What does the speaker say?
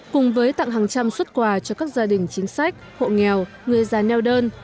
cùng với tặng hàng trăm xuất quà cho các gia đình chính sách hộ nghèo người già neo đơn